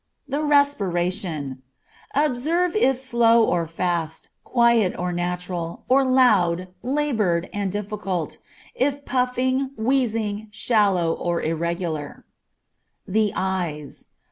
The respiration. Observe if slow or fast, quiet and natural, or loud, labored, and difficult, if puffing, wheezing, shallow, or irregular. The eyes.